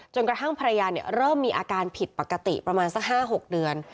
กระทั่งภรรยาเริ่มมีอาการผิดปกติประมาณสัก๕๖เดือน